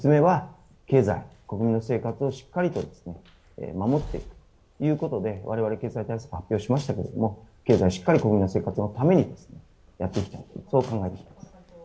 ３つ目は経済、国民の生活をしっかりと守っていくということでわれわれ経済対策を発表しましたけども、経済、しっかり国民の生活のためにやっていきたいと考えています。